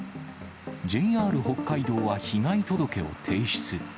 ＪＲ北海道は被害届を提出。